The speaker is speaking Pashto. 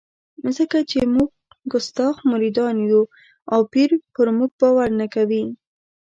ځکه چې موږ کستاخ مریدان یو او پیر پر موږ باور نه کوي.